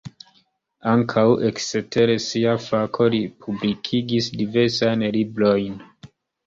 Ankaŭ ekster sia fako li publikigis diversajn librojn.